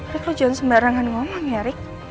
rik lo jangan sembarangan ngomong ya rik